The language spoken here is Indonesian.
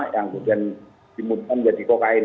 yang kemudian dimudah menjadi kokain